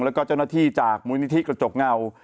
แล้วก็เจ้าหน้าที่จากมูลนิธิกระจกเงา